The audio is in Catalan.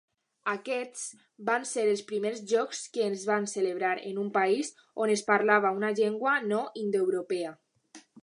Aquests van ser els primers jocs que es van celebrar en un país on es parlava una llengua no indoeuropea.